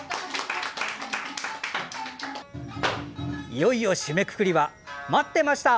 いよいよ締めくくりは待ってました！